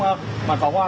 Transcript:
mặt phó hoa